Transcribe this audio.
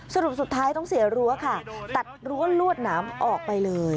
สรุปสุดท้ายต้องเสียรั้วค่ะตัดรั้วลวดหนามออกไปเลย